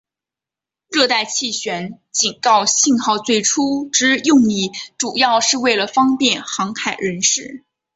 热带气旋警告信号最初之用意主要是为了方便航海人士。